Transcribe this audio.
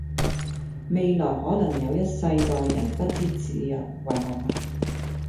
未來可能有一世代人不知自由為何物